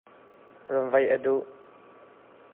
Ram vaih a duh.